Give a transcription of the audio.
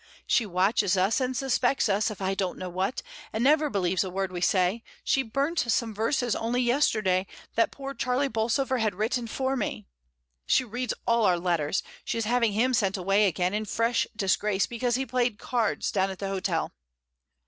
She watches us, and suspects us of I don't know what, and never believes a word we say; she burnt some verses only yesterday that poor Charlie Bolsover had written for me; she reads all our letters; she is having him sent away again in fresh disgrace because he played EMPTY HOUSES. 1 7 cards down at the hotel.